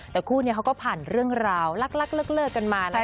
แต่คู่นี้เขาก็ผ่านเรื่องราวลักเลิกกันมานะคะ